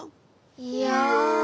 いや。